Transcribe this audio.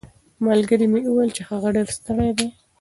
ملګري مې وویل چې هغه ډېر ستړی دی.